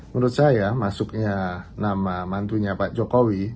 menurut saya masuknya nama mantunya pak jokowi